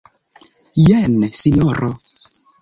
Jen, Sinjoro.